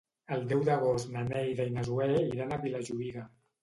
El deu d'agost na Neida i na Zoè iran a Vilajuïga.